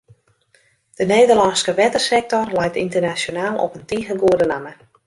De Nederlânske wettersektor leit ynternasjonaal op in tige goede namme.